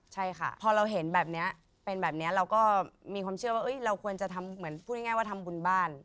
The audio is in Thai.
ใช่ค่ะพอเราเห็นแบบนี้เป็นแบบนี้เราก็มีความเชื่อว่าเราควรจะทำเหมือนพูดง่ายว่าทำบุญบ้าน